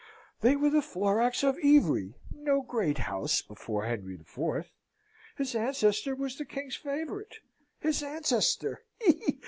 They were of the Floracs of Ivry. No great house before Henri IV. His ancestor was the king's favourite. His ancestor he!